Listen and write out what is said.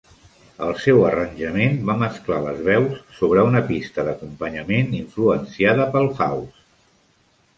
El seu arranjament va mesclar les veus sobre una pista d'acompanyament influenciada pel house.